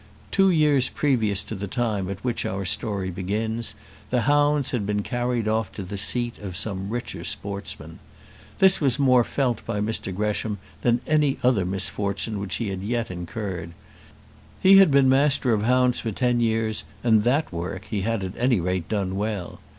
Two years previous to the time at which our story begins, the hounds had been carried off to the seat of some richer sportsman. This was more felt by Mr Gresham than any other misfortune which he had yet incurred. He had been master of hounds for ten years, and that work he had at any rate done well.